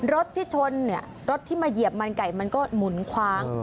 รถที่ชนเนี่ยรถที่มาเหยียบมันไก่มันก็หมุนคว้าง